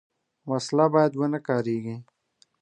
وسله باید ونهکارېږي